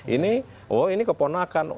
ini oh ini keponakan